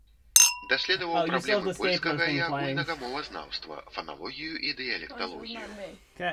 Даследаваў праблемы польскага і агульнага мовазнаўства, фаналогію і дыялекталогію.